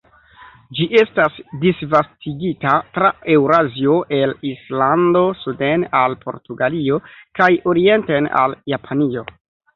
Ĝi estas disvastigita tra Eŭrazio el Islando suden al Portugalio kaj orienten al Japanio.